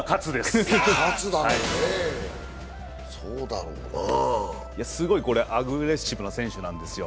これ、すごいアグレッシブな選手なんですよ。